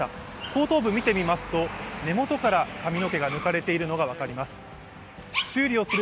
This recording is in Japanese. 後頭部見てみますと、根元から髪の毛が抜かれているのが分かります。